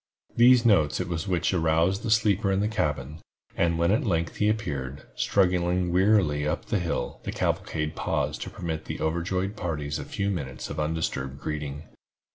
These notes it was which aroused the sleeper in the cabin, and when at length he appeared, struggling wearily up the hill, the cavalcade paused to permit the overjoyed parties a few minutes of undisturbed greeting.